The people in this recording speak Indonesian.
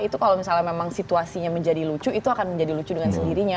itu kalau misalnya memang situasinya menjadi lucu itu akan menjadi lucu dengan sendirinya